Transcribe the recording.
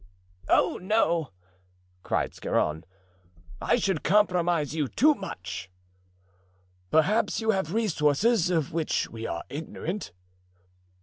"Oh, no!" cried Scarron, "I should compromise you too much." "Perhaps you have resources of which we are ignorant?"